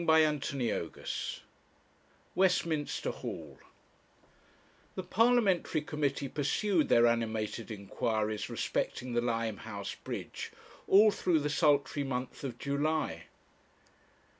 CHAPTER XXXIV WESTMINSTER HALL The parliamentary committee pursued their animated inquiries respecting the Limehouse bridge all through the sultry month of July.